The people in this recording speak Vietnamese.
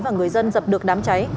và người dân dập được đám cháy